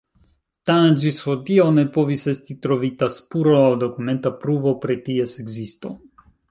Tamen ĝis hodiaŭ ne povis esti trovita spuro aŭ dokumenta pruvo pri ties ekzisto.